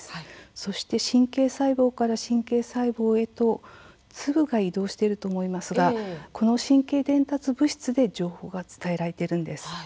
そして神経細胞から神経細胞へと粒が移動していると思いますがこの神経伝達物質で情報が伝えられているんです。